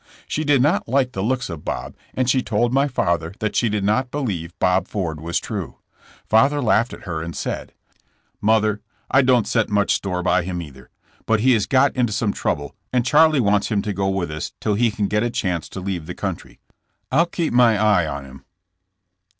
She did not like the looks of Bob and she told my father that she did not believe Bob Ford was true. Father laughed at her and said :Mother, I don't set much store by him either, but he has got into some trouble and Charlie wants him to go with us till he can get a chance to leave the country. I'll keep my eye on him."